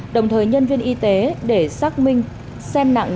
đồng thời nhân viên y tế để xác minh